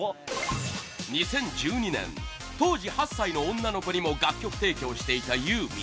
２０１２年当時８歳の女の子にも楽曲提供していたユーミン